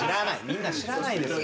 みんな知らないです。